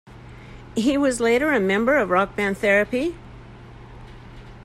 He was later a member of rock band Therapy?